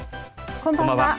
こんばんは。